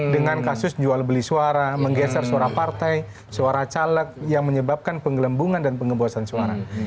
dengan kasus jual beli suara menggeser suara partai suara caleg yang menyebabkan penggelembungan dan pengebosan suara